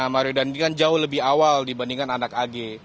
marudan dengan jauh lebih awal dibandingkan anak ag